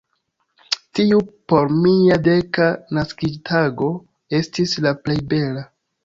Tiu por mia deka naskiĝtago estis la plej bela.